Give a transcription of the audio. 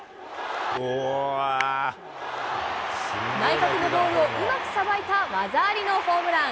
内角のボールをうまくさばいた技ありのホームラン。